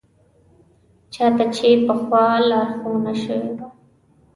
چا ته چې پخوا لارښوونه شوې وه.